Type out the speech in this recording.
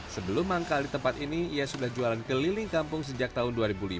sebelum manggal di tempat ini ia sudah jualan keliling kampung sejak tahun dua ribu lima